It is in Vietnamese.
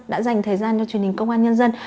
đã dành thời gian cho truyền hình công an nhân dân